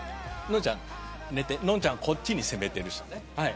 のんちゃんはこっちに攻めてる人ね。